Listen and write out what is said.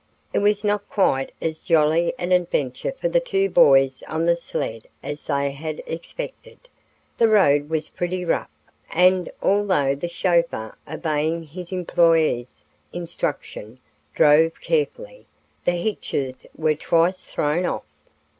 It was not quite as jolly an adventure for the two boys on the sled as they had expected. The road was pretty rough and, although the chauffeur, obeying his employer's instruction, drove carefully, the "hitchers" were twice thrown off.